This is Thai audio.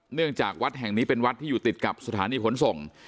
เนื่องจากวัดแห่งนี้เป็นวัดที่อยู่ติดกับสถานีขนส่ง